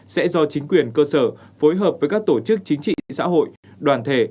sẽ do chính quyền cơ sở phối hợp với các tổ chức chính trị xã hội đoàn thể